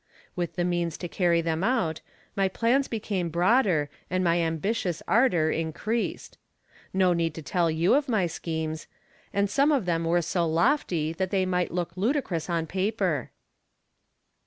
With the means to carry them out, my plans became broader, and my ambitious ardor increased. No need to tell you of my schemes and some of them were so lofty that they might look ludicrous on paper.